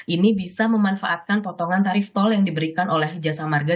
ini bisa memanfaatkan potongan tarif tol yang diberikan oleh jasa marga